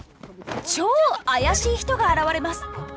超怪しい人が現れます。